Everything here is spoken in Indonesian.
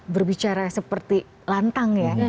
berbicara seperti lantang ya